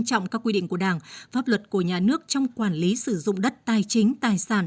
trọng các quy định của đảng pháp luật của nhà nước trong quản lý sử dụng đất tài chính tài sản